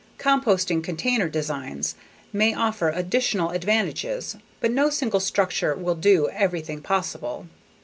Composting container designs may offer additional advantages but no single structure will do everything possible.